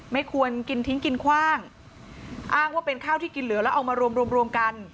ไม่ควรกินทิ้งกินคว่างอ้างว่าเป็นข้าวที่กินเหลือแล้วเอามารวมรวมกัน